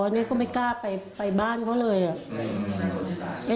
อันนี้ก็ไม่กล้าไปบ้านเขาเลย